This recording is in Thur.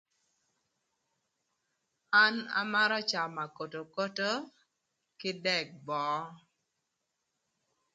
An amarö camö akotokoto kï dëk böö.